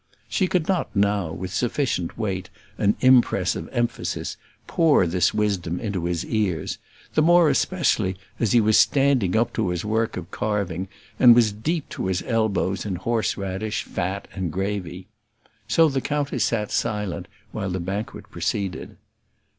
She could not now, with sufficient weight and impress of emphasis, pour this wisdom into his ears; the more especially as he was standing up to his work of carving, and was deep to his elbows in horse radish, fat, and gravy. So the countess sat silent while the banquet proceeded.